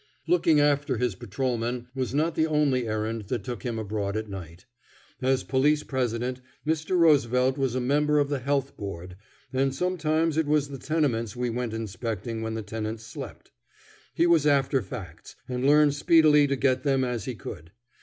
Looking after his patrolmen was not the only errand that took him abroad at night. As Police President, Mr. Roosevelt was a member of the Health Board, and sometimes it was the tenements we went inspecting when the tenants slept. He was after facts, and learned speedily to get them as he could.